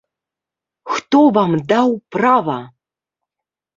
Хто вам даў права?